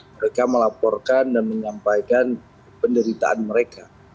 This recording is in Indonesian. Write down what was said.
mereka melaporkan dan menyampaikan penderitaan mereka